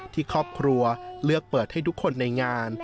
ที่ครอบครัวเลือกเปิดให้ทุกคนในงาน